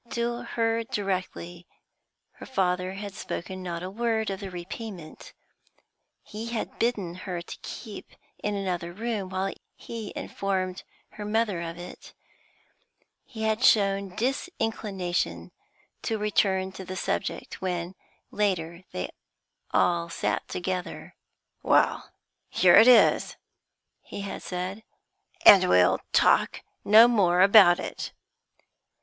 To her directly her father had spoken not a word of the repayment; he had bidden her keep in another room while he informed her mother of it; he had shown disinclination to return to the subject when, later, they all sat together. 'Well, here it is,' he had said, 'and we'll talk no more about it.'